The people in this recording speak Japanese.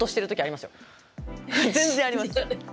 全然あります。